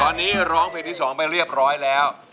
ตอนนี้ร้องเพลงที่๒ไปเรียบร้อยแล้ว